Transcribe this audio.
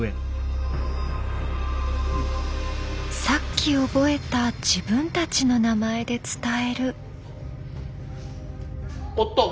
さっき覚えた自分たちの名前で伝える。